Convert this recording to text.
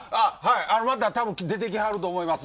また、出てきはると思います。